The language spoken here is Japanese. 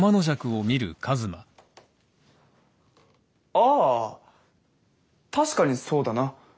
ああ確かにそうだな。